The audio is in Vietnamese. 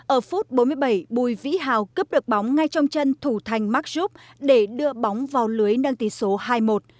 ở phút bốn mươi bảy bùi vĩ hào cướp được bóng ngay trong chân thủ thành mark rup để đưa bóng vào lưới nâng tỷ số hai một